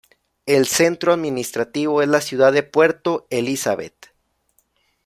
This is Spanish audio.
El centro administrativo es la ciudad de Puerto Elizabeth.